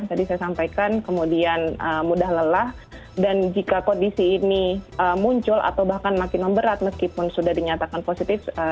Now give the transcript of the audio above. tadi saya sampaikan kemudian mudah lelah dan jika kondisi ini muncul atau bahkan makin memberat meskipun sudah dinyatakan positif